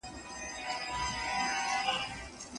د مرکې پر مهال يې درواغجن صفتونه نه کول.